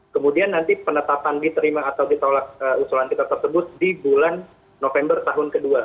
kemudian nanti penetapan diterima atau ditolak usulan kita tersebut di bulan november tahun kedua